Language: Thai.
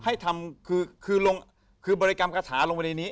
ให้ทำคือบริกรรมคาถาลงไปในนี้